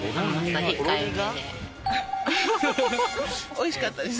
おいしかったです。